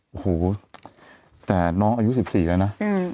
โอ้โหแต่น้องอายุ๑๔แล้วนะ